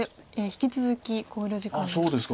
引き続き考慮時間です。